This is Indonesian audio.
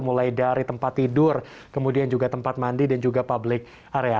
mulai dari tempat tidur kemudian juga tempat mandi dan juga public area